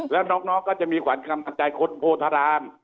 แล้วน้องก็จะมีแขวนกำลังใจพูดโธราม